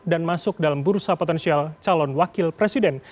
dan masuk dalam bursa potensial calon wakil presiden